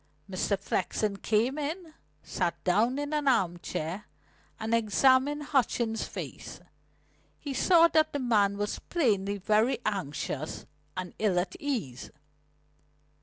Mr. Flexen came in, sat down in an arm chair, and examined Hutchings' face. He saw that the man was plainly very anxious and ill at ease.